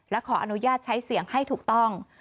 และขออนุญาตใช้เสียงให้ถูกต้อง